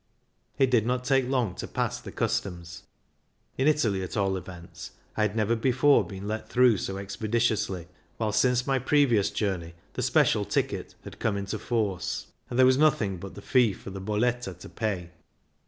It did not take long to pass the customs; in Italy, at all events, I had never before been let through so expeditiously, while since my previous journey the " special" ticket had come into force, and there was nothing but the fee for the bolletta to pay.